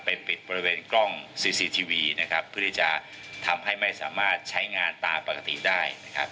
ปิดบริเวณกล้องซีซีทีวีนะครับเพื่อที่จะทำให้ไม่สามารถใช้งานตามปกติได้นะครับ